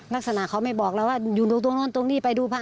ลักษณะเขาไม่บอกเราว่าอยู่ดูตรงโน้นตรงนี้ไปดูพระ